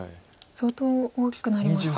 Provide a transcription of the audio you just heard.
相当大きくなりましたか。